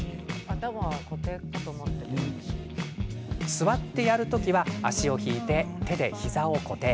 座ってやる時は足を引いて、手で膝を固定。